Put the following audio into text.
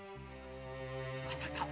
まさか！